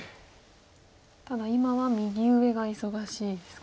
ただ今は右上が忙しいですか。